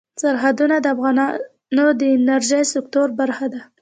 سرحدونه د افغانستان د انرژۍ سکتور برخه ده.